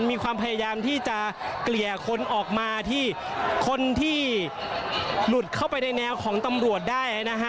มีความพยายามที่จะเกลี่ยคนออกมาที่คนที่หลุดเข้าไปในแนวของตำรวจได้นะฮะ